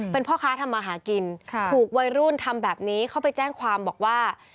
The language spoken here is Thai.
เป็นพ่อค้าทำมาหากินถูกวัยรุ่นทำแบบนี้เข้าไปแจ้งความบอกว่า